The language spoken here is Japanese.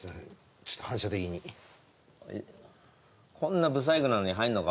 ちょっと反射的にこんなブサイクなのに入んのか？